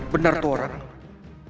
benar tuh orang